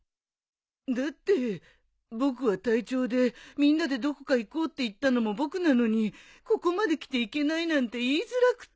だって僕は隊長でみんなでどこか行こうって言ったのも僕なのにここまできて行けないなんて言いづらくて。